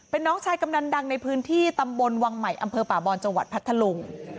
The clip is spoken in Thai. เป็นน้องชายกำนันดังในพื้นที่ตำบลวังใหม่อำเภอป่าบอนจังหวัดพัทธลุง